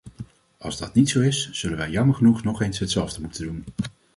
Als dat niet zo is, zullen wij jammer genoeg nog eens hetzelfde moeten doen.